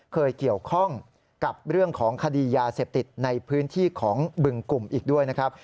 เคยเกี่ยวข้องกับเรื่องของคดียาเสพติดในพื้นที่ของบึงกลุ่มอีกด้วยนะครับ